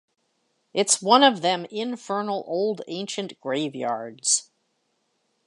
It's one of them infernal old ancient graveyards.